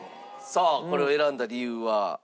さあこれを選んだ理由は？